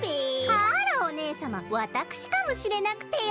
あらおねえさまわたくしかもしれなくてよ。